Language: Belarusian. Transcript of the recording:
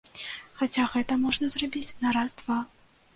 Хаця гэта можна зрабіць на раз-два.